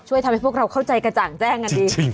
ทำให้พวกเราเข้าใจกระจ่างแจ้งกันดี